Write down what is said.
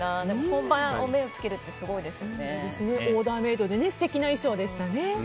本場に目をつけるってオーダーメイドで素敵な衣装でしたね。